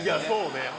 そうね